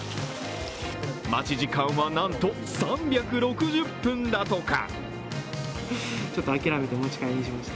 待ち時間は、なんと３６０分だとか。